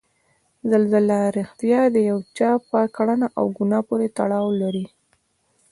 زلزله ریښتیا د یو چا په کړنه او ګناه پورې تړاو لري؟